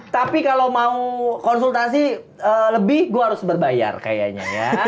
tapi kalau mau konsultasi lebih gue harus berbayar kayaknya ya